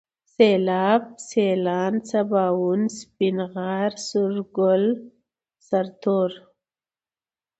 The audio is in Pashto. سيلاب ، سيلان ، سباوون ، سپين غر ، سورگل ، سرتور